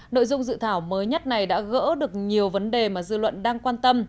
nội dung dự thảo mới nhất này đã gỡ được nhiều vấn đề mà dư luận đang quan tâm